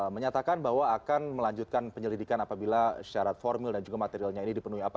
menyatakan bahwa akan melanjutkan penyelidikan apabila syarat formil dan juga materialnya ini dipenuhi apa